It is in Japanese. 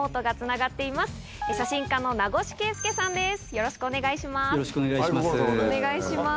よろしくお願いします。